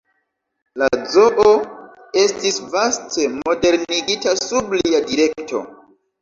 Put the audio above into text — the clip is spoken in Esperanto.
La zoo estis vaste modernigita sub lia direkto.